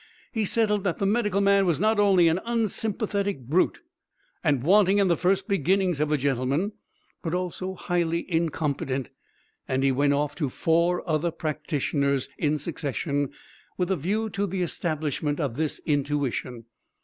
He settled that the medical man was not only an unsympathetic brute and wanting in the first beginnings of a gentleman, but also highly incompetent; and he went off to four other practitioners in succession, with a view to the establishment of this intuition.